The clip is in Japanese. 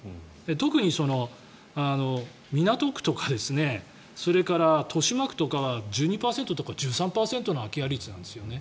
特に港区とかそれから豊島区とかは１２％とか１３％の空き家率なんですよね。